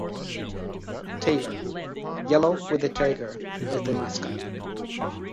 Taylor: Yellow, with a Tiger as the mascot.